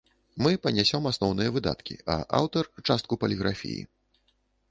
Мы панясём асноўныя выдаткі, а аўтар частку паліграфіі.